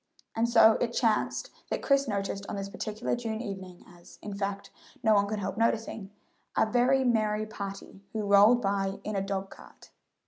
And so it chanced that Chris noticed on this particular June evening as, in fact, no one could help noticing a very merry party who rolled by in a dog cart.